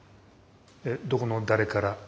えどこの誰から？